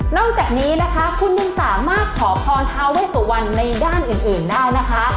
จากนี้นะคะคุณยังสามารถขอพรทาเวสุวรรณในด้านอื่นได้นะคะ